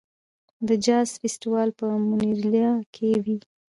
د جاز فستیوال په مونټریال کې وي.